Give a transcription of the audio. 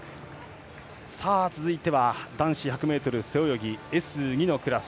続いては男子１００ｍ背泳ぎＳ２のクラス。